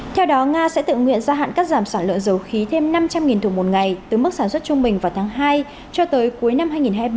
theo đó nga sẽ tự nguyện gia hạn cắt giảm sản lượng dầu khí thêm năm trăm linh thùng một ngày từ mức sản xuất trung bình vào tháng hai cho tới cuối năm hai nghìn hai mươi ba